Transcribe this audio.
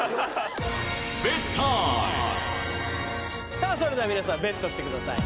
さあそれでは皆さんベットしてください。